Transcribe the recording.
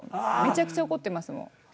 めちゃくちゃ怒ってますもん。